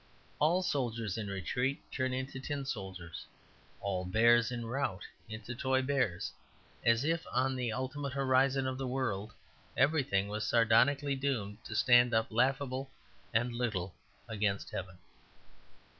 All soldiers in retreat turn into tin soldiers; all bears in rout into toy bears; as if on the ultimate horizon of the world everything was sardonically doomed to stand up laughable and little against heaven.